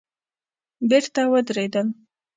بېرته ودرېدل.